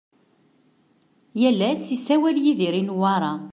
Yal ass isawal Yidir i Newwara.